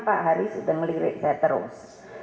pak haris sudah melirik saya terus